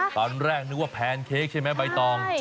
ตอนแรกนึกว่าแพนเค้กใช่ไหมใบตอง